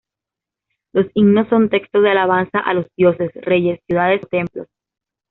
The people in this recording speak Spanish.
Los himnos son textos de alabanza a los dioses, reyes, ciudades o templos.